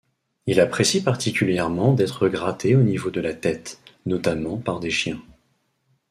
Il apprécie particulièrement d'être gratté au niveau de la tête, notamment par des chiens.